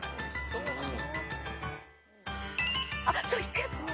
そう引くやつね。